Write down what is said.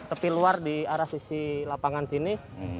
tepi luar di arah sisi lapangan sini